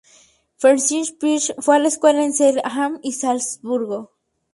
Ferdinand Piëch fue a la escuela en Zell am See y Salzburgo.